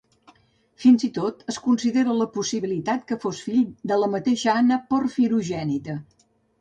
Fins i tot es considera la possibilitat que fos fill de la mateixa Anna Porfirogènita.